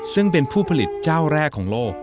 ซึ่งเป็นผู้ผลิตเจ้าแรกของโลก